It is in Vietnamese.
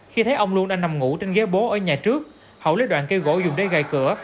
khi thấy ông luân đang nằm ngủ trên ghế bố ở nhà trước hậu lấy đoạn cây gỗ dùng để gài cửa